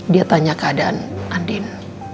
dia tanya keadaan andin